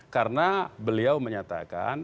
karena beliau menyatakan